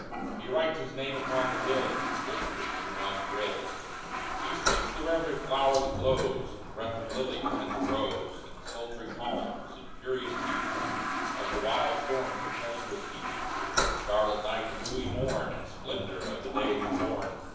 He writes His name upon the hills ; He whispers in the mountain rills ; FRIAR ANSELMO 145 He speaks through every flower that blows, In breath of lily, tint of rose ; In sultry calms ; in furious beat Of the wild storm's tempestuous feet ; In starlit night, and dewy morn, And splendor of the day new born